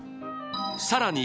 さらに